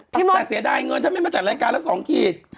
แต่เสียดายเงินถ้าไม่มาจัดรายการละ๒ขีด